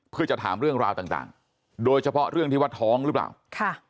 เพื่อจะถามเรื่องราวต่างต่างโดยเฉพาะเรื่องที่ว่าท้องหรือเปล่าค่ะ